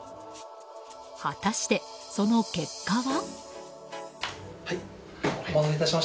果たして、その結果は。